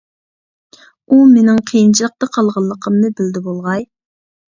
ئۇ مىنىڭ قىيىنچىلىقتا قالغانلىقىمنى بىلدى بولغاي.